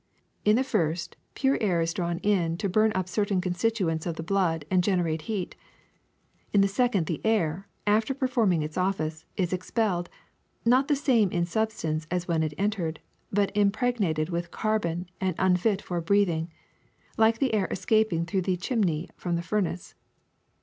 In the first, pure air is drawn in to burn up certain constituents of the blood and generate heat ; in the second the air, after perform ing its ofiice, is expelled, not the same in substance as when it entered, but impregnated with carbon and unfit for breathing, like the air escaping through the chimney from a furnace.